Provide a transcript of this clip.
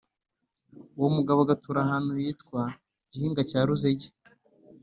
uwomugabo agatura ahantu hitwa i Gihinga cya Ruzege